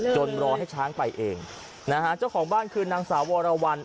รอให้ช้างไปเองนะฮะเจ้าของบ้านคือนางสาววรวรรณ